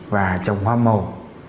và trồng hoa màu